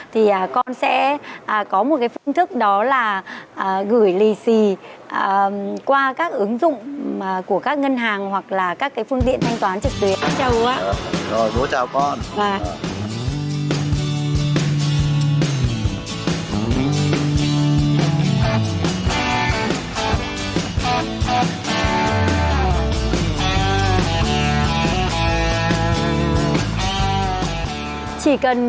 thì con sẽ có một phương thức đó là gửi lì xì qua các ứng dụng của các ngân hàng hoặc là các phương tiện thanh toán trực tuyến